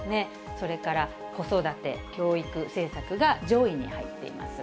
それから子育て・教育政策が上位に入っています。